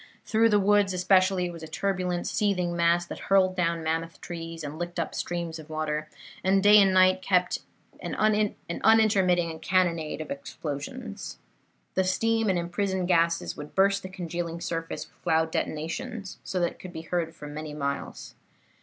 Through the woods especially it was a turbulent, seething mass that hurled down mammoth trees, and licked up streams of water, and day and night kept up an unintermitting cannonade of explosions. The steam and imprisoned gases would burst the congealing surface with loud detonations that could be heard for many miles.